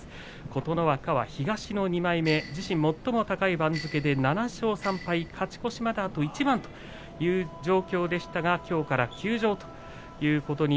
琴ノ若は自身最も高い番付で勝ち越しまであと一番という状況でしたがきょうから休場です。